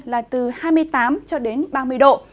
là từ hai mươi tám cho đến ba mươi độ